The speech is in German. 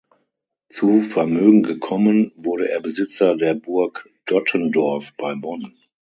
Zu Vermögen gekommen, wurde er Besitzer der Burg Dottendorf bei Bonn.